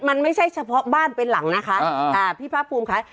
มันไม่ใช่เฉพาะบ้านเป็นหลังนะคะพี่ภาคภูมิค่ะ